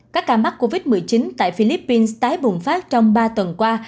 các ca mắc covid một mươi chín tại philippines tái bùng phát trong ba tuần qua